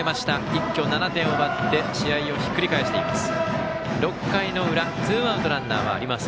一挙７点を奪って試合をひっくり返しています。